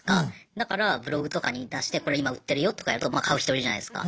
だからブログとかに出してこれ今売ってるよとかやるとまあ買う人いるじゃないすか。